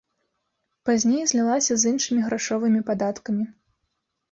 Пазней злілася з іншымі грашовымі падаткамі.